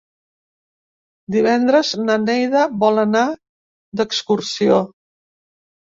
Divendres na Neida vol anar d'excursió.